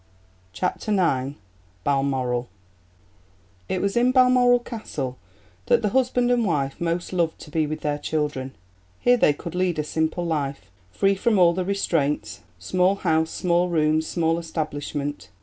CHAPTER IX: Balmoral It was in Balmoral Castle that the husband and wife most loved to be with their children. Here they could lead a simple life free from all restraints, "small house, small rooms, small establishment.